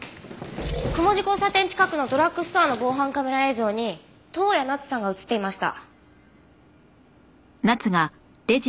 雲路交差点近くのドラッグストアの防犯カメラ映像に登矢奈津さんが映っていました。